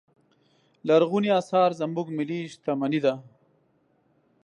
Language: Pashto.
لرغوني اثار زموږ ملي شتمنې ده.